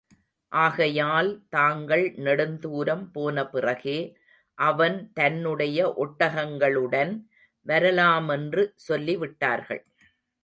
ஆகையால், தாங்கள் நெடுந்துரம் போனபிறகே, அவன் தன்னுடைய ஒட்டகங்களுடன் வரலாமென்று சொல்லிவிட்டார்கள்.